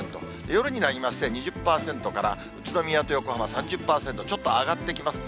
夜になりまして、２０％から、宇都宮と横浜３０％、ちょっと上がってきます。